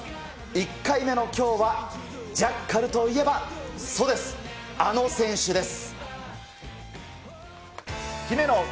１回目のきょうは、ジャッカルといえば、そうです、あの選手です。